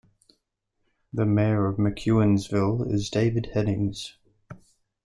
The mayor of McEwensville is David Heddings.